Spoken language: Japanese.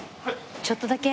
ちょっとだけ。